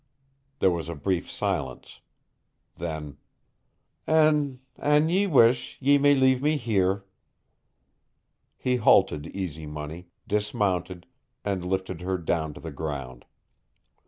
There was a brief silence. Then, "An ... an ye wish, ye may leave me here." He halted Easy Money, dismounted, and lifted her down to the ground.